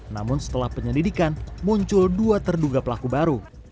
namun setelah penyelidikan muncul dua terduga pelaku baru